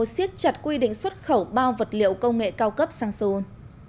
siết chặt quy định xuất khẩu bao vật liệu công nghệ cao cấp sang seoul